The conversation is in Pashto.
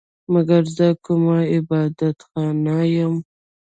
مګر زه کومه عبادت خانه نه یم